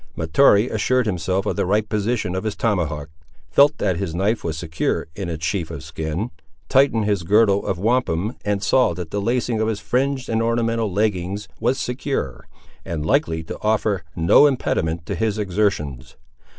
Mahtoree assured himself of the right position of his tomahawk, felt that his knife was secure in its sheath of skin, tightened his girdle of wampum and saw that the lacing of his fringed and ornamental leggings was secure, and likely to offer no impediment to his exertions.